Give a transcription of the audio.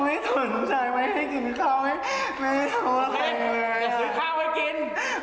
ยังไอ้ก่อน